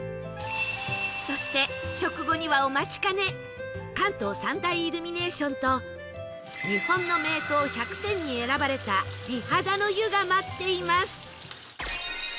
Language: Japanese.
そして食後にはお待ちかね関東三大イルミネーションと日本の名湯百選に選ばれた美肌の湯が待っています